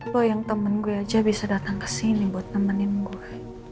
lo yang temen gue aja bisa dateng kesini buat nemenin gue